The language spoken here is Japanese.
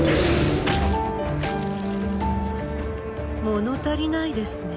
物足りないですね。